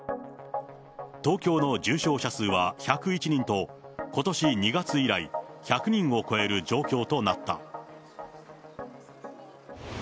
東京の重症者数は１０１人と、ことし２月以来、１００人を超える状況となった。